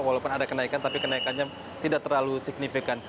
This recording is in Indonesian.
walaupun ada kenaikan tapi kenaikannya tidak terlalu signifikan